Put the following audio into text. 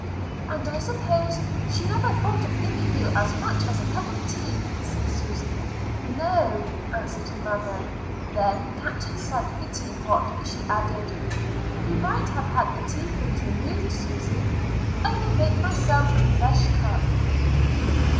"And I suppose she never thought of giving you as much as a cup of tea?" said Susy. "No," answered her mother; then catching sight of the teapot, she added, "You might have had the tea things removed, Susy. I will make myself a fresh cup."